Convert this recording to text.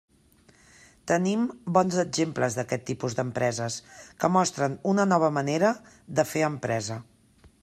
Tenim bons exemples d'aquest tipus d'empreses, que mostren una nova manera de fer empresa.